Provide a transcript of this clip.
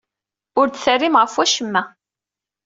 Ur d-terrim ɣef wacemma.